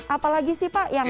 apalagi sih pak yang khas